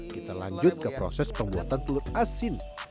kita lanjut ke proses pembuatan telur asin